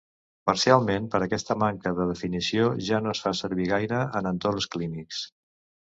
Parcialment per aquesta manca de definició, ja no es fa servir gaire en entorns clínics.